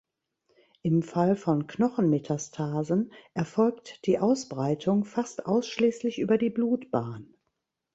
Im Fall von Knochenmetastasen erfolgt die Ausbreitung fast ausschließlich über die Blutbahn.